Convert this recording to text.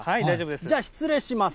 じゃあ、失礼します。